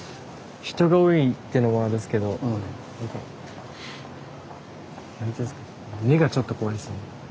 人が多いっていうのもあるんすけど何ていうんすか目がちょっと怖いっすね。